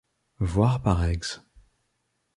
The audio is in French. Voir par ex.